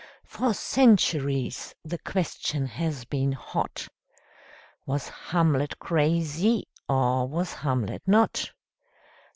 For centuries the question has been hot: Was Hamlet crazy, or was Hamlet not?